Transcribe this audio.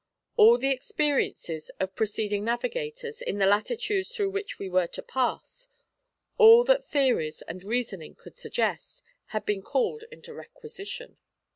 All the experiences of preceding navigators, in the latitudes through which we were to pass, all that theories and reasoning could suggest, had been called into requisition.